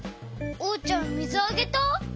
おうちゃんみずあげた？